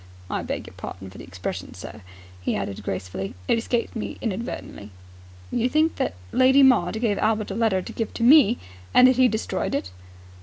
"I beg your pardon for the expression, sir," he added gracefully. "It escaped me inadvertently." "You think that Lady Maud gave Albert a letter to give to me, and that he destroyed it?"